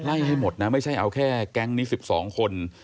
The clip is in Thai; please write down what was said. ให้หมดนะไม่ใช่เอาแค่แก๊งนี้๑๒คน